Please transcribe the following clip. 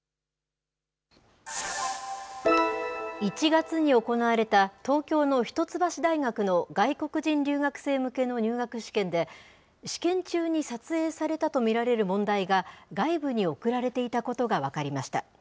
１月に行われた、東京の一橋大学の外国人留学生向けの入学試験で、試験中に撮影されたと見られる問題が、外部に送られていたことが分かりました。